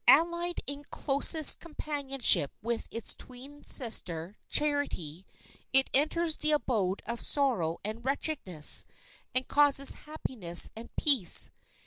Allied in closest companionship with its twin sister, Charity, it enters the abode of sorrow and wretchedness, and causes happiness and peace.